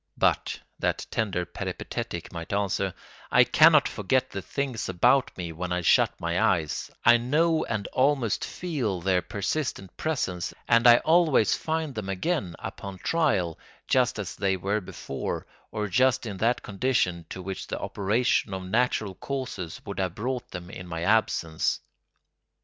"But," that tender Peripatetic might answer, "I cannot forget the things about me when I shut my eyes: I know and almost feel their persistent presence, and I always find them again, upon trial, just as they were before, or just in that condition to which the operation of natural causes would have brought them in my absence.